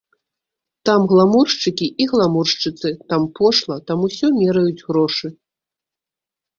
Там гламуршчыкі і гламуршчыцы, там пошла, там усё мераюць грошы.